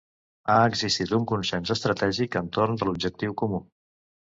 Ha existit un consens estratègic entorn de l’objectiu comú.